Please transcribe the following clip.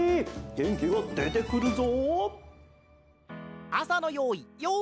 げんきがでてくるぞ！